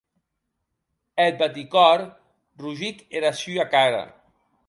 Eth baticòr rogic era sua cara.